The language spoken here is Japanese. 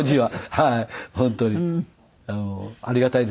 はい。